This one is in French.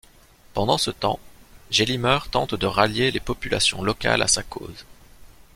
Pendant ce temps, Gélimer tente de rallier les populations locales à sa cause.